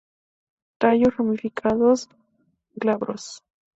Tallos ramificados, glabros.